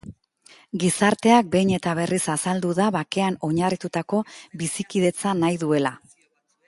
Gizarteak behin eta berriz azaldu da bakean oinarritutako bizikidetza nahi duela.